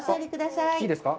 いいですか？